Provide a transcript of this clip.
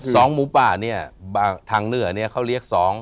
หมูป่าเนี่ยทางเหนือเนี่ยเขาเรียกสอง